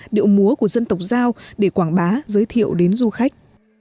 điệu múa của dân tộc giao để quảng bá giới thiệu đến du khách